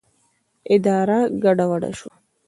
اداره ګډه وډه شوه.